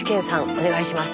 お願いします。